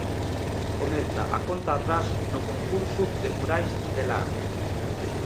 Comeza a conta atrás no concurso de murais de lar.